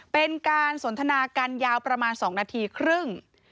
เป็นการสนทนากันยาวประมาณ๒นาทีครึ่ง